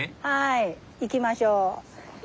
はい行きましょう。